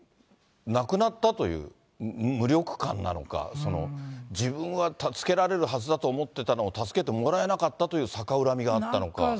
つまり、亡くなったという無力感なのか、自分は助けられるはずだと思っていたのを、助けてもらえなかったという逆恨みがあったのか。